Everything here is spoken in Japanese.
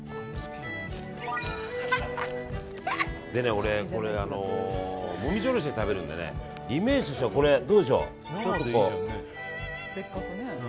俺、もみじおろしで食べるんでねイメージとしてはこれどうでしょう。